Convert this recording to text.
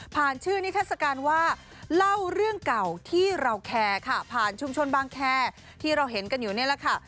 ชื่อนิทัศกาลว่าเล่าเรื่องเก่าที่เราแคร์ค่ะผ่านชุมชนบางแคร์ที่เราเห็นกันอยู่นี่แหละค่ะ